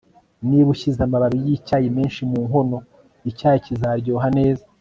niba ushyize amababi yicyayi menshi mu nkono, icyayi kizaryoha neza